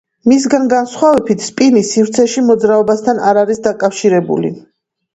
მისგან განსხვავებით, სპინი სივრცეში მოძრაობასთან არ არის დაკავშირებული.